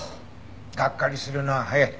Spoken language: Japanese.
がっかりするのは早い。